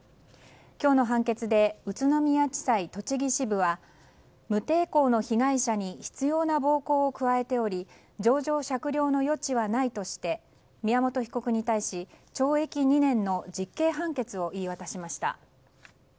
今日の判決で宇都宮地裁栃木支部は無抵抗の被害者に執拗な暴行を加えており情状酌量の余地はないとして宮本被告に対し懲役２年の実刑判決を言い渡しました。